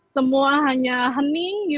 semua hanya hening